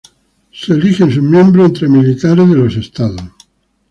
Sus miembros son llamados de militares de los Estados.